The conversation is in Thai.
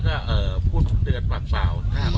ต้องการโปรโดยทุกประหลังว่าปวงกันไหม